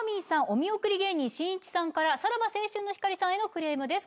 お見送り芸人しんいちさんからさらば青春の光さんへのクレームです